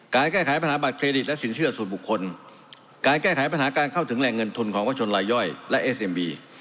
การแก้ไขปัญหาบัตรเครดิตและสินเชื่อส่วนบุคคลการแก้ไขปัญหาการเข้าถึงแหล่งเงินทุนของประชนรายย่อยและเอสเอ็มบี